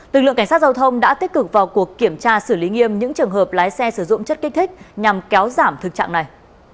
lực lượng cảnh sát giao thông đã tích cực vào cuộc kiểm tra xử lý nghiêm những trường hợp lái xe sử dụng chất kích thích nhằm kéo giảm thực trạng này